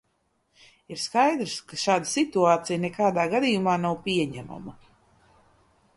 Ir skaidrs, ka šāda situācija nekādā gadījumā nav pieņemama.